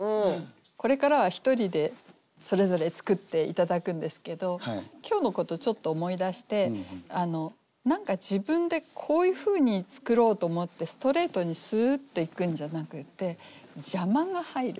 これからは１人でそれぞれ作って頂くんですけど今日のことちょっと思い出して何か自分でこういうふうに作ろうと思ってストレートにすっといくんじゃなくって邪魔が入る。